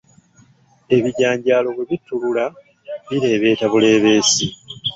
Ebijanjaalo bwe bittulula bireebeeta buleebeesi.